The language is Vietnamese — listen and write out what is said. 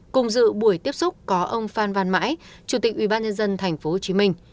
cùng dự buổi tiếp xúc có ông phan văn mãi chủ tịch ubnd tp hcm